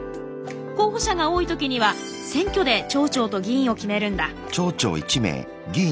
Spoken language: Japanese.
候補者が多い時には選挙で町長と議員を決めるんだ。